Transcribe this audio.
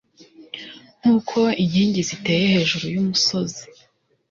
nk'uko inkingi ziteye hejuru y'umusozi